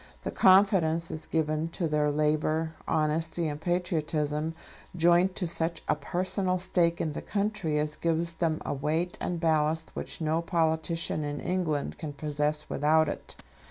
The confidence is given to their labour, honesty, and patriotism joined to such a personal stake in the country as gives them a weight and ballast which no politician in England can possess without it.